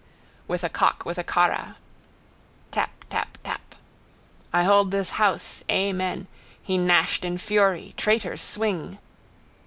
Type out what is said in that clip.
With a cock with a carra. Tap. Tap. Tap. I hold this house. Amen. He gnashed in fury. Traitors swing.